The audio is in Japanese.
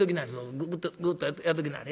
グッとグッとやっときなはれ。